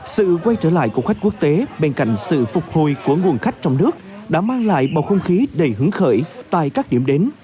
sự quay trở lại của khách quốc tế bên cạnh sự phục hồi của nguồn khách trong nước đã mang lại bầu không khí đầy hứng khởi tại các điểm đến